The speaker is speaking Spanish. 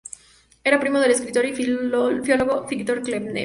Era primo del escritor y filólogo Victor Klemperer.